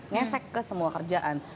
ngefek ke semua kerjaan